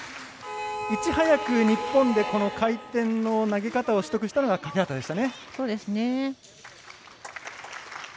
いち早く日本でこの回転の投げ方を習得したのが欠端でした。